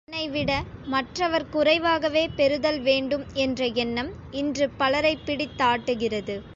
தன்னைவிட மற்றவர் குறைவாகவே பெறுதல் வேண்டும் என்ற எண்ணம் இன்று பலரைப் பிடித்தாட்டுகிறது.